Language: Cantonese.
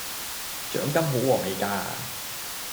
獎金好禾味架!